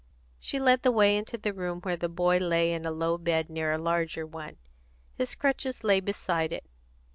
She led the way into the room where the boy lay in a low bed near a larger one. His crutches lay beside it.